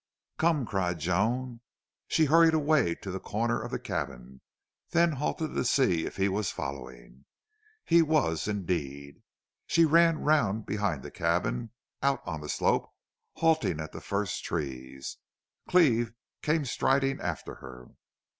"Come!" cried Joan. She hurried away toward the corner of the cabin, then halted to see if he was following. He was, indeed. She ran round behind the cabin, out on the slope, halting at the first trees. Cleve came striding after her.